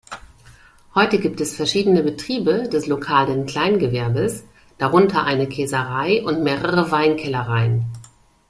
Heute gibt es verschiedene Betriebe des lokalen Kleingewerbes, darunter eine Käserei und mehrere Weinkellereien.